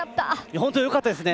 本当よかったですね。